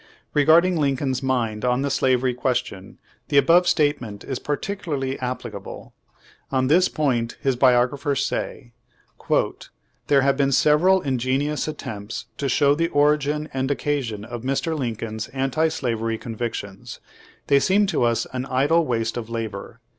Re garding Lincoln's mind on the slavery question the above statement is particularly applicable. On this point his biographers say : "There have been several ingenious attempts to show the origin and occasion of Mr. Lincoln's anti slavery convic tions. They seem to us an idle waste of labor.